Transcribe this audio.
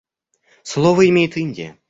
Слово имеет Индия.